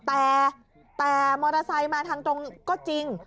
แต่มอเตอร์ไซค์มาทางตรงก็จริง